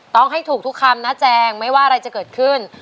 ต้องให้ถูกทุกคำนะแจงไม่ว่าอะไรจะเกิดขึ้น